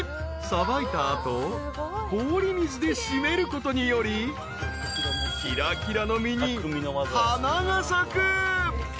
［さばいた後氷水で締めることによりひらひらの身に花が咲く］